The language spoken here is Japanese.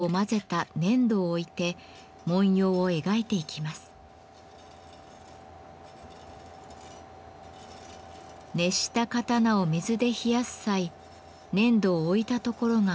熱した刀を水で冷やす際粘土を置いたところが文様となるのです。